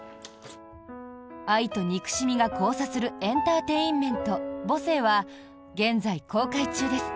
愛と憎しみが交差するエンターテインメント「母性」は現在公開中です。